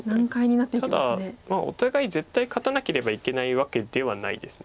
ただお互い絶対勝たなければいけないわけではないです。